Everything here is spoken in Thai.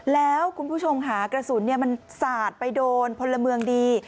แล้วคุณผู้ชมค่ะกระสุนมันสาดไปโดนพลเมืองดี